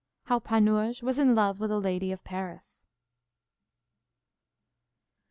How Panurge was in love with a lady of Paris.